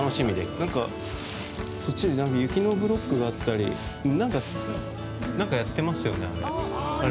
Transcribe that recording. なんかそっちに雪のブロックがあったりなんかやってますよね、あれ。